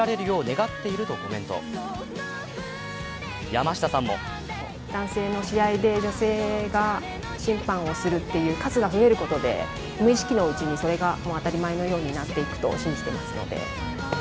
山下さんも男性の試合で女性が審判をすると数が増えることで無意識のうちにそれが当たり前のようになっていくと信じていますので。